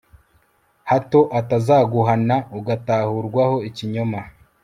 hato atazaguhana, ugatahurwaho ikinyoma